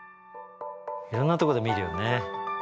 いろんなとこで見るよね。